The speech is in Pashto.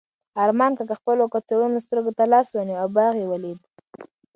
ارمان کاکا خپلو کڅوړنو سترګو ته لاس ونیو او باغ یې ولید.